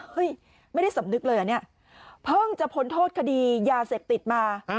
ไม่ได้สำนึกเลยอ่ะเนี่ยเพิ่งจะพ้นโทษคดียาเสพติดมา